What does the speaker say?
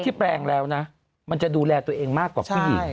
แปลงแล้วนะมันจะดูแลตัวเองมากกว่าผู้หญิง